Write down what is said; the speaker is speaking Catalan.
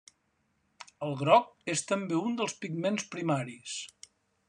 El groc és també un dels pigments primaris.